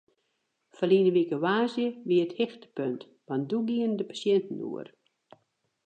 Ferline wike woansdei wie it hichtepunt want doe gienen de pasjinten oer.